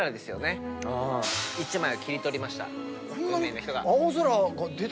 １枚を切り取りました。